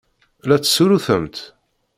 La d-tessurrutemt?